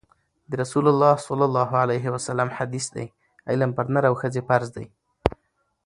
د رسول الله ﷺ حدیث دی: علم پر نر او ښځي فرض دی